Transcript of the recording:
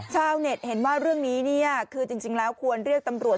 ชาวเน็ตเห็นว่าเรื่องนี้เนี่ยคือจริงแล้วควรเรียกตำรวจ